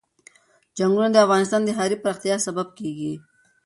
چنګلونه د افغانستان د ښاري پراختیا سبب کېږي.